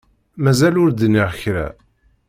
Mazal ur d-nniɣ kra.